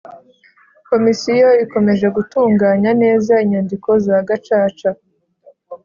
Komisiyo ikomeje gutunganya neza inyandiko za Gacaca